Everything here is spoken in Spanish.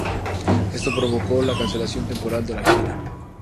Esto provocó la cancelación temporal de la gira.